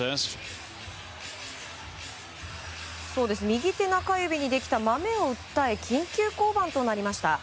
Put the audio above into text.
右手中指にできたマメを訴え緊急降板となりました。